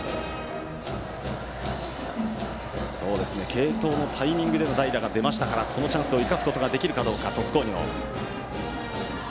継投のタイミングでの代打が出ましたからこのチャンスを生かすことができるか、鳥栖工業。